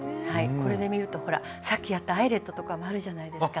これで見るとほらさっきやったアイレットとかもあるじゃないですか。